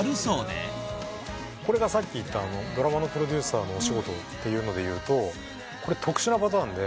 これがさっき言ったドラマのプロデューサーのお仕事っていうのでいうと特殊なパターンで。